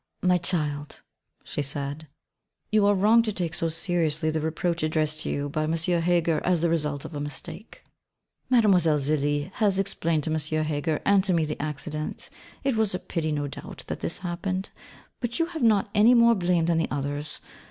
'My child,' she said, 'you are wrong to take so seriously the reproach addressed to you by M. Heger as the result of a mistake. Mlle. Zélie has explained to M. Heger and to me the accident. It was a pity, no doubt, that this happened: but you have not any more blame than the others.